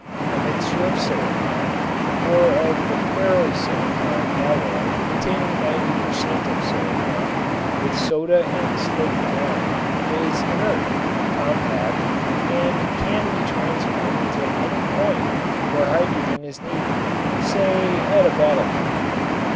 A mixture of silicon (or of the ferro silicon alloy containing 90 per cent. of silicon) with soda and slaked lime is inert, compact and can be transported to any point where hydrogen is needed, say at a battle front.